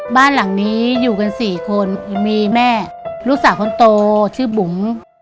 บ้านหลังนี้อยู่กัน๔คนมีแม่ลูกสาวคนโตชื่อบุ๋ม